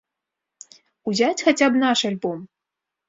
Узяць хаця б наш альбом.